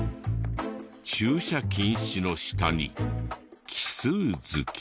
「駐車禁止」の下に「奇数月」。